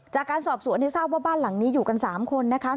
จากการสอบสวนทราบว่าบ้านหลังนี้อยู่กัน๓คนนะคะ